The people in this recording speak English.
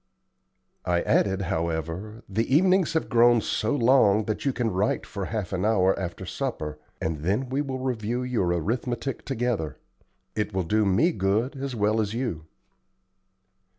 I added, however: "The evenings have grown so long that you can write for half an hour after supper, and then we will review your arithmetic together. It will do me good as well as you."